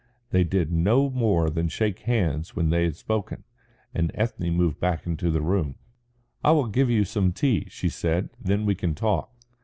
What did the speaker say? They did no more than shake hands when they had spoken, and Ethne moved back into the room. "I will give you some tea," she said, "then we can talk."